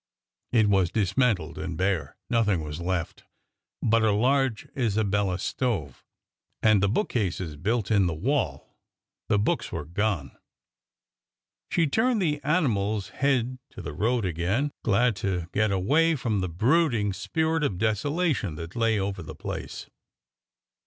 It was dismantled and bare. Nothing was left but a large Isabella " stove and the bookcases built in the wall. The books were gone. She turned the animal's head to the road again, glad to get away from the brooding spirit of desolation that lay over the place.